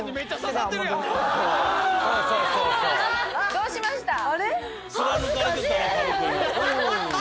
どうしました？